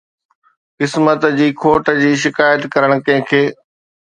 قسمت جي کوٽ جي شڪايت ڪرڻ ڪنهن کي؟